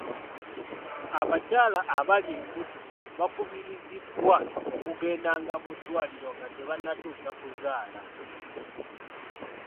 Abakyala abali embuto bakubirizibwa okugendanga mu ddwaliro nga tebannatuusa kuzaala.